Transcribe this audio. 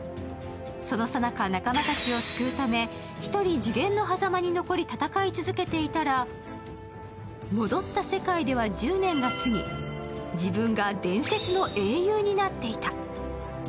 そのさなか、仲間たちを救うため一人、次元のはざまに残り戦い続けていたら戻った世界では１０年が過ぎ、自分が伝説の英雄になっていた。